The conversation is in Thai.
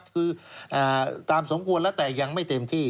คือตามสมควรแล้วแต่ยังไม่เต็มที่